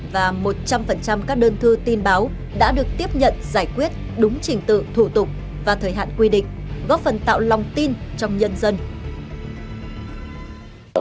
và một trăm linh các đơn thư tin báo đã được tiếp nhận giải quyết đúng trình tự thủ tục và thời hạn quy định góp phần tạo lòng tin trong nhân dân